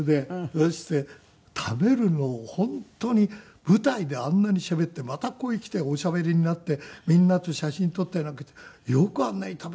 そして食べるのを本当に舞台であんなにしゃべってまたここへ来ておしゃべりになってみんなと写真撮ったりなんかしてよくあんなに食べるって。